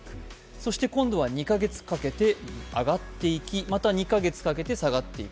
そして今度は２カ月かけて上がっていき、また２カ月かけて下がっていく。